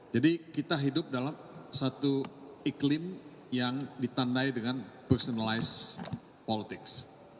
jadi kita hidup dalam satu iklim yang ditandai dengan personalized politics